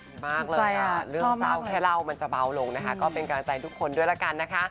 ดีมากเลยอ่ะเรื่องเศร้าแค่เล่ามันจะเบาลงนะคะก็เป็นกำลังใจทุกคนด้วยละกันนะคะ